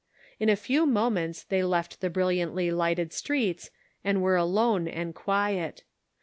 In a few moments they left the brilliantly lighted streets, and were alone and quiet.